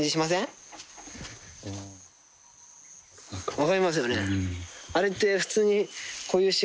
分かりますよね？